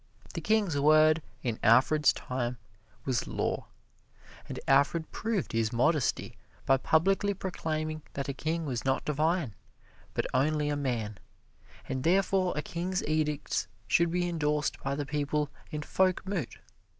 The king's word in Alfred's time was law, and Alfred proved his modesty by publicly proclaiming that a king was not divine, but only a man, and therefore a king's edicts should be endorsed by the people in Folkmoot.